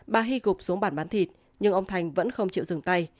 bà hy gục xuống bàn bán thịt nhưng ông thành vẫn không chịu dừng tay